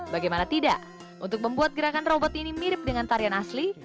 bagaimana tidak untuk membuat gerakan robot ini mirip dengan tarian asli